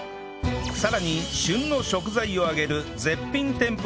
さらに旬の食材を揚げる絶品天ぷらが続々登場！